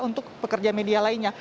untuk pekerja media lainnya